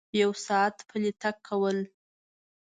یو ساعت پلی تګ کول